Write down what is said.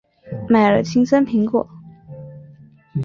买了青森苹果